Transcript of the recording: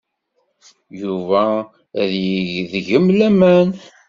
Yuba ad yeg deg-m laman.